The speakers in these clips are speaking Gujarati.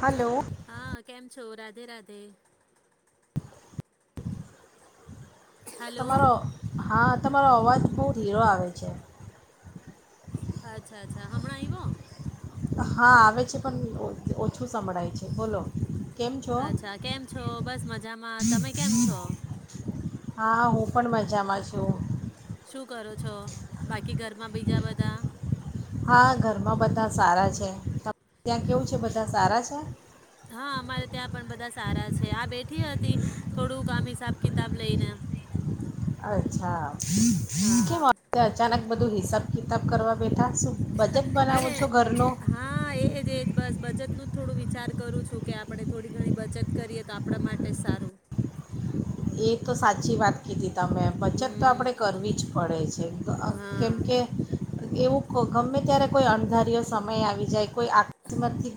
હલો હા કેમ છો રાધે રાધે. હલો તમારો હાથ તમારો અવાજ બહુ ઘીરો આવે છે. અચ્છા અચ્છા હમણાં આઇવો? હા આવે છે પણ ઓછું સંભળાય છે બોલો. કેમ છો અચ્છા કેમ છો બસ મજામાં તમે કેમ છો? હા હું પણ મજામાં છું. શું કરો છો બાકી ઘરમાં બીજા બધા? હા ઘરમાં બધા સારા છે. ત્યાં કેવું છે બધા સારા છે? [unintelligible] હા અમારે ત્યાં પણ બધા સારા છે. આ બેઠી હતી થોડુંક આામ હિસાબ કિતાબ લઈને. અચછા! હા. બધું હિસાબ કિતાબ કરવા બે અરે હા એજ એજ બસ બચત નું થોડું વિચાર કરું છું કે આપણે થોડી ઘણી બચત કરીએ તો આપણા માટે સારું. એ તો સાચી વાત કીધી. તમે બચત તો આપણે હમ કરવી જ પડે છે હા કેમકે એવું ગમે ત્યારે કોઈ અણંધારયો સમય આવી જાય. કોઈ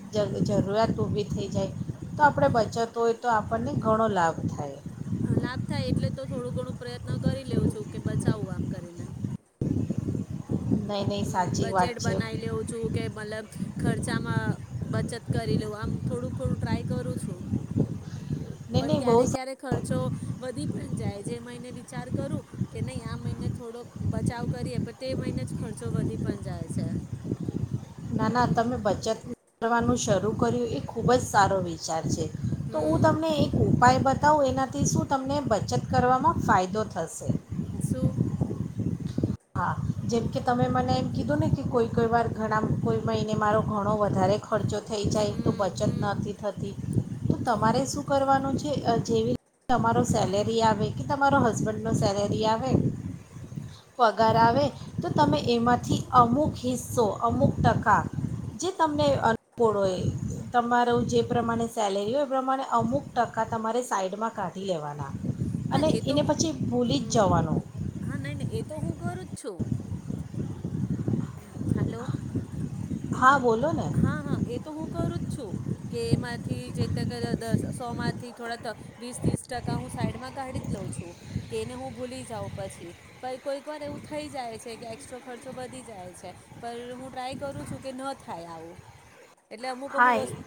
[unintelligible] જ જરૂરિયાત ઊભી થઈ જાય તો આપણે બચત હોય તો આપણને ઘણો લાભ થાય. લાભ થાય એટલે તો થોડું ઘણું પ્રયત્ન કરી લેઉં છું કે બચાવું આમ કરીને. નહીં નહીં હમ્મ સાચી વાત બજેટ છે બનાવી લેઉું છું કે મતલબ ખર્ચામાં બચત કરી લેવું આમ થોડું થોડું ટ્રાય કરું છું. નહીં પણ નહીં ક્યારે બહુ સા- ક્યારે ખર્ચ ખર્ચો વધી પણ જાય જે મહિને વિચાર કરું કે નહી આ મહિને થોડોક બચાવ કરીએ પણ તે મહિને જ ખર્ચો વધી પણ જાય છે. ના ના તમે બચત કરવાનું શરૂ કર્યું એ ખૂબ જ સારો વિચાર છે. તો હું તમને હમ એક ઉપાય બ [unintelligible] એનાથી શું તમને બચત કરવામાં ફાયદો થશે. સુું. હા જેમકે તમે મને એમ કીધું ને કે કોઈ કોઈ વાર ઘણા કોઈ મહિને મારો ઘણો વધારે ખર્ચો. થઈ જાય તો હમ બચત હમ નથી થતી, તો તમારે હમ શું કરવાનું છે અ જેવી. તમારો સેલેરી આવે. કે તમારો હસબન્ડનો સેલેરી આવે. પગાર આવે તો તમે એમાંથી અમુક હિસ્સો અમુક ટકા જે તમને અનુકૂળ હોય તમારું જે પ્રમાણે સેલેરી હોય, એ પ્રમાણે અમુક ટકા તમારે સાઈડમાં કાઢી લેવાના. ના અને એ તો એને હ પછી ભૂલી જ હમ્મ હમ્મ જવાનું હા નહી ન એ તો હું. કરું જ છું. હલો. હા બોલો ને હા હા એ તો હું કરું જ છું કેમાં. થી જે ત દસ સોમાંથી થોડા વીસ ત્રીસ ટકા હું સાઈડમાં કાઢી જ લઉં છું, કે એને હું ભૂલી જાઉં પછી પણ કોઈક વાર એવું થઈ જાય છે કે એક્સ્ટ્રો ખર્ચો વધી. જાય છે હું ટ્રાય કરું છું કે ન થાય આવું. એટલે અમુક હા અમુક વસ્તુ